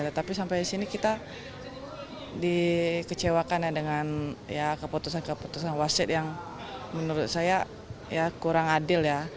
tetapi sampai disini kita dikecewakan dengan keputusan keputusan wasit yang menurut saya kurang adil